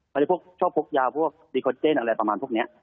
เขาจะชอบพกยาพวกดิโคเจนอะไรประมาณพวกเนี่ย